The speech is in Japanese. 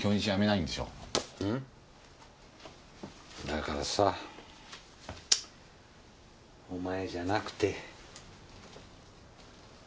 だからさぁお前じゃなくて。